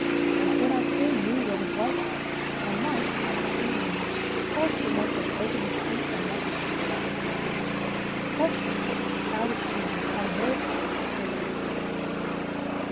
If Bonacieux knew where his wife was, one might, by extreme means, force the mercer to open his teeth and let his secret escape. The question, then, was how to change this probability into a certainty.